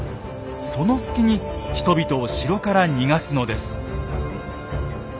その隙に人々を城から逃がすのです。